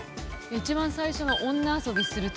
一番最初の「女遊びするタイプ」。